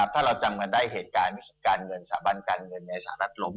ถ้าเราจำกันได้เหตุการณ์การเงินสถาบันการเงินในสหรัฐลม